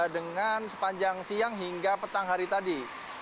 dengan sepanjang siang hingga petang hari tadi